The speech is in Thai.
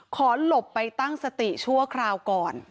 หลบไปตั้งสติชั่วคราวก่อน